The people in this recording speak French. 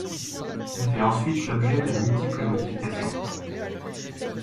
Il fait ensuite l'objet de multiples modifications.